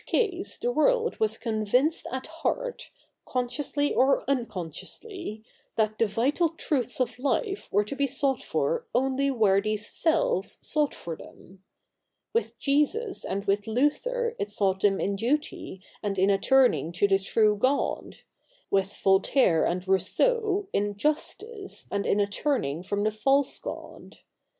v case the world was convinced at heart, consciously or unconsciously, that the vital truths of life were to be sought for only where these Selves sought for them. AVith Jesus and with Luther it sought them in duty and in a turning to the true God ; with Voltaire and Rousseau, in justice, and in a turning from the false God.